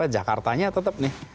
jakartanya tetap nih